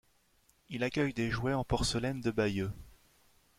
Il accueille des jouets en porcelaine de Bayeux.